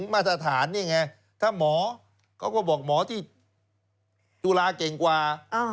มาตรฐานนี่ไงถ้าหมอเขาก็บอกหมอที่จุฬาเก่งกว่า